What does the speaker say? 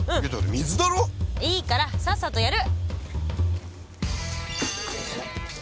いいからさっさとやる！